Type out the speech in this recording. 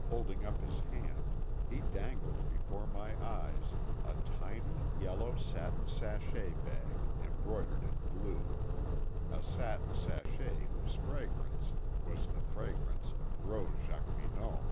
Holding up his hand, he dangled before my eyes a tiny yellow satin sachet bag embroidered in blue, a satin sachet whose fragrance was the fragrance of Rose Jacqueminot!